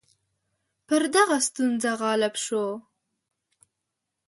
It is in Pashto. پر دغه ستونزه غالب شو.